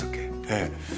ええ。